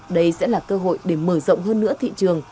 đây sẽ là cơ hội để mở rộng hơn nữa thị trường